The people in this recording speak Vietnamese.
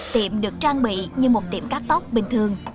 tiệm được trang bị như một tiệm cắt tóc bình thường